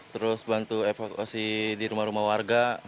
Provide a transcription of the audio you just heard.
terus bantu evakuasi di rumah rumah warga